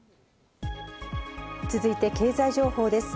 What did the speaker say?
続いて経済情報です。